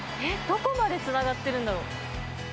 どこまでつながってるんだろう。